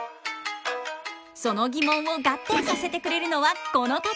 その疑問を合点させてくれるのはこの方！